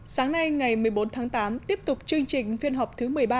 sáng nay ngày một mươi bốn tháng tám tiếp tục chương trình phiên họp thứ một mươi ba